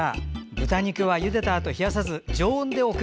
豚肉は、ゆでたあと冷やさず常温で置く。